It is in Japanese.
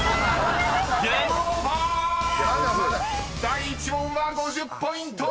［第１問は５０ポイント！］